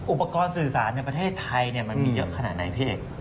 อุปกรณ์สื่อสารในประเทศไทยมันมีเยอะขนาดไหนพี่เอก